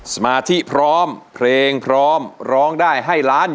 สมาธิพร้อมเพลงพร้อมร้องได้ให้ล้าน